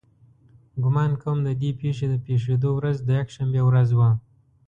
ګمان کوم د دې پېښې د پېښېدو ورځ د یکشنبې ورځ وه.